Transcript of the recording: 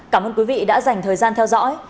cảm ơn quý vị đã dành thời gian theo dõi